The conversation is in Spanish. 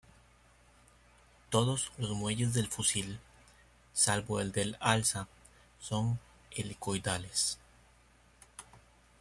Todos los muelles del fusil, salvo el del alza, son helicoidales.